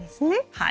はい。